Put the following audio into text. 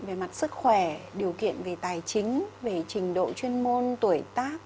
về mặt sức khỏe điều kiện về tài chính về trình độ chuyên môn tuổi tác